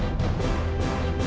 jangan mem lorsquanya